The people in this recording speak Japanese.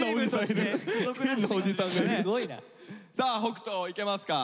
さあ北斗いけますか？